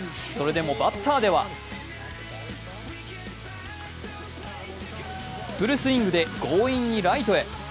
それでもバッターではフルスイングで強引にライトへ。